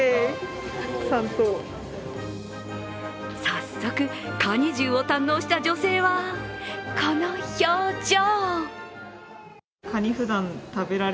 早速、カニ重を堪能した女性はこの表情。